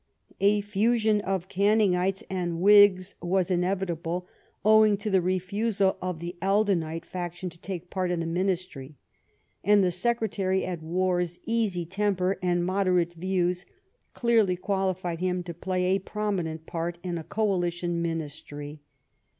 A fusion of Canningites and Whigs was inevitable, owing to the refusal of the Eldonite fac tion to take part in the Ministry ; and the Secretary at War's easy temper and moderate views clearly qualified him to play a prominent part in a coalition ministry.